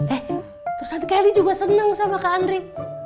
eh terus satu kali juga senang sama kak andri